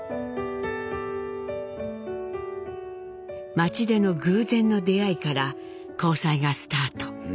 街での偶然の出会いから交際がスタート。